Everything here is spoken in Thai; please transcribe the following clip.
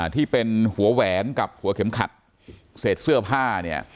ที่เป็นหัวแหวนกับหัวเข็มขัดเศษเสื้อผ้าเนี่ย